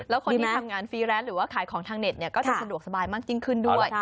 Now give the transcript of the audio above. แล้วคนที่ทำงานฟรีแรนด์หรือว่าขายของทางเน็ตก็จะสะดวกสบายมากยิ่งขึ้นด้วย